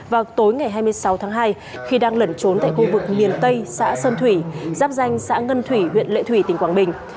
vào tối ngày hai mươi sáu tháng hai khi đang lẩn trốn tại khu vực miền tây xã sơn thủy giáp danh xã ngân thủy huyện lệ thủy tỉnh quảng bình